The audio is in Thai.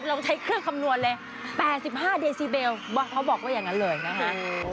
ลองใช้เครื่องคำนวณเลย๘๕เดซิเบลเขาบอกว่าอย่างนั้นเลยนะคะ